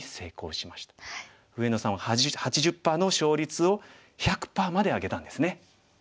上野さんは８０％の勝率を１００％まで上げたんですね。